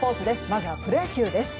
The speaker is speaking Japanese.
まずはプロ野球です。